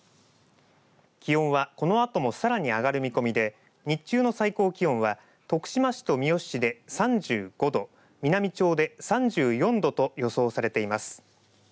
気温はこのあともさらに上がる見込みで日中の最高気温は徳島市と三好市で３５度美波町で３４度と予想されています。